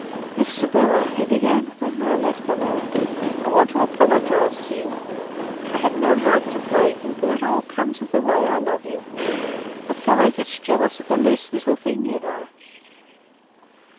"Miss Sybylla," he began, when we were left alone, "I want to apologize to you. I had no right to plague you, but it all comes of the way I love you. A fellow gets jealous at the least little thing, you know."